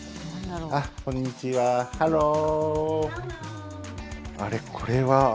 こんにちは、ハロー。